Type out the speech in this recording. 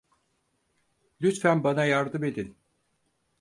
Lütfen bana yardım edin.